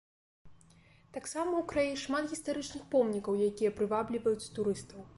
Таксама ў краі шмат гістарычных помнікаў, якія прывабліваюць турыстаў.